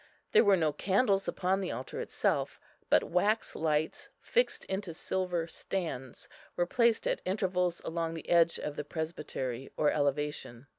There were no candles upon the altar itself, but wax lights fixed into silver stands were placed at intervals along the edge of the presbytery or elevation.